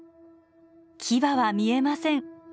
キバは見えません。